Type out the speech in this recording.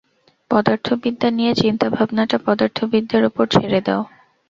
পদার্থবিদ্যা নিয়ে চিন্তাভাবনাটা পদার্থবিদদের ওপর ছেড়ে দাও।